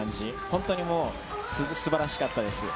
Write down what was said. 本当にもう、すばらしかったです。